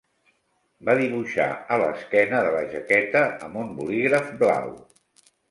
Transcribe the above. Va dibuixar a l'esquena de la jaqueta amb un bolígraf blau.